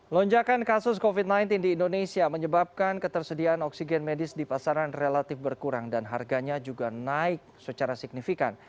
lonjakan kasus covid sembilan belas di indonesia menyebabkan ketersediaan oksigen medis di pasaran relatif berkurang dan harganya juga naik secara signifikan